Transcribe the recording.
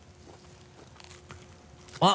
あっ！